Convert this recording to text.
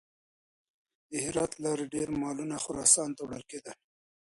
د هرات له لارې ډېر مالونه خراسان ته وړل کېدل.